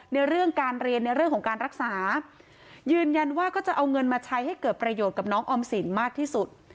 ในเรื่องการเรียนในเรื่องของการรักษายืนยันว่าก็จะเอาเงินมาใช้ให้เกิดประโยชน์กับน้องออมสินมากที่สุด